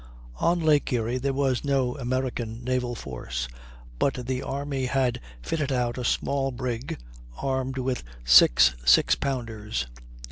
On Lake Erie there was no American naval force; but the army had fitted out a small brig, armed with six 6 pounders.